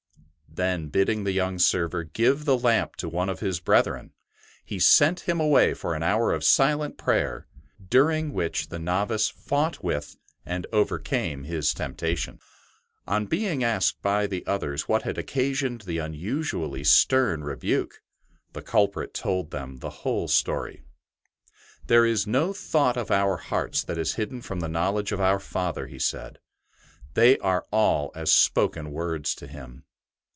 Then bidding the young server give the lamp to one of his brethren, he sent him away for an hour of silent prayer, during which the novice fought with and overcame his temptation. On being asked by the others what had occasioned the unusually stern rebuke, the culprit told them the whole story. '' There is no thought of our hearts that is hidden from the knowledge of our Father/' he said, '' they are all as spoken words to him."